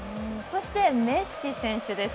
そしてメッシ選手です。